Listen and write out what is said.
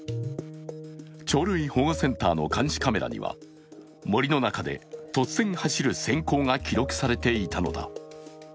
鳥類保護センターの監視カメラには森の中で突然走る閃光が記録されていたのだ。